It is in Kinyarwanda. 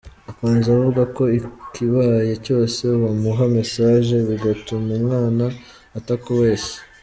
Akomeza avuga ko ikibaye cyose bamuha message bigatuma umwana atakubeshya.